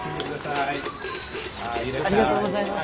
ありがとうございます。